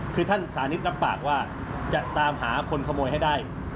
คือท่านสานิทรับปากว่าจะตามหาคนขโมยให้ได้